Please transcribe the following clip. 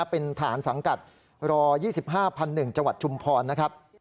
เป็นฐานสังกัดรอ๒๕๑จังหวัดชุมพรนะครับ